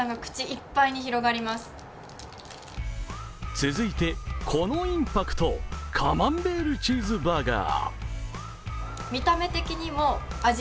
続いて、このインパクト、カマンベールチーズバーガー。